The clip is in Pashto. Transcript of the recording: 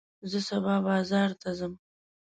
زه سبا بازار ته ځم.